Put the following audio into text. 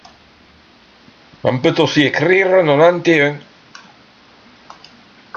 On peut aussi écrire nonante-et-un.